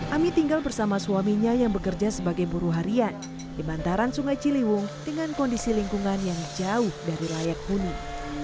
ami tinggal bersama suaminya yang bekerja sebagai buruh harian di bantaran sungai ciliwung dengan kondisi lingkungan yang jauh dari layak huni